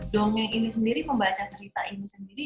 dongeng ini sendiri membaca cerita ini sendiri